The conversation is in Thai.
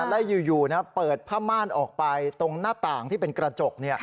และอยู่เปิดผ้าม่านออกไปตรงหน้าต่างที่เป็นกระจก